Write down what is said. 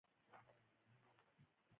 افغانستان د بدخشان له مخې پېژندل کېږي.